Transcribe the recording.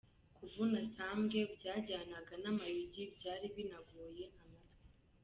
Kuvuna sambwe byajyanaga n’amayugi byari binogeye amatwi.